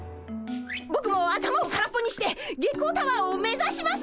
ぼくも頭を空っぽにして月光タワーを目指します！